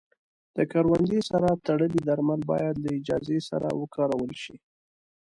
د کروندې سره تړلي درمل باید له اجازې سره وکارول شي.